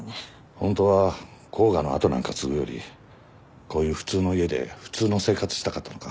ホントは甲賀の跡なんか継ぐよりこういう普通の家で普通の生活したかったのか？